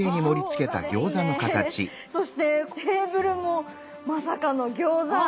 そしてテーブルもまさかの餃子。